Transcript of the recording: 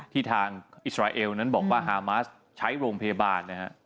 ทางอิสราเอลนั้นบอกว่าฮามาสใช้โรงพยาบาลนะฮะ